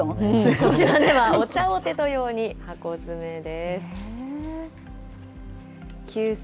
こちらではお茶をテト用に箱詰めです。